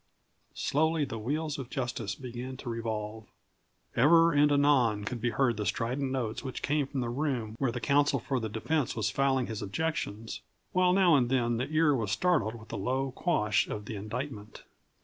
Slowly the wheels of Justice began to revolve. Ever and anon could be heard the strident notes which came from the room where the counsel for the defense was filing his objections, while now and then the ear was startled with the low quash of the indictment.